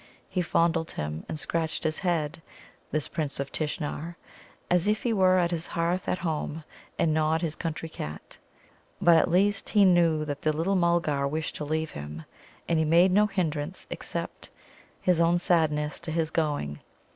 He fondled him and scratched his head this Prince of Tishnar as if he were at his hearth at home, and Nod his country cat. But at least he knew that the little Mulgar wished to leave him, and he made no hindrance except his own sadness to his going.